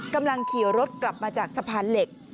กำลังขี่รถกลับมาจากสะพานเหล็ก